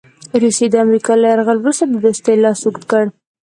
روسیې د امریکا له یرغل وروسته د دوستۍ لاس اوږد کړ.